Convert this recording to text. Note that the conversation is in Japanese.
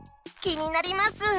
きになります！